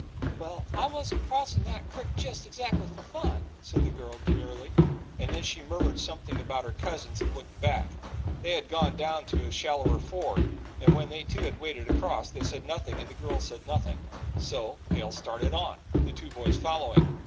"Well, I wasn't crossin' that crick jes' exactly fer fun," said the girl demurely, and then she murmured something about her cousins and looked back. They had gone down to a shallower ford, and when they, too, had waded across, they said nothing and the girl said nothing so Hale started on, the two boys following.